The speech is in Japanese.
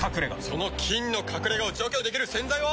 その菌の隠れ家を除去できる洗剤は。